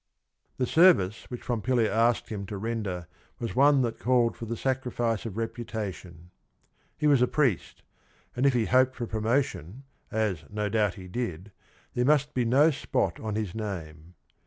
The service which Pompilia asked him to render was one that called for the sacrifice of reputation. He was a priest, and if he hoped for promotion, as no doubt he did, there must be no spot on his name.